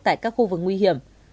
tại các khu vực nguy hiểm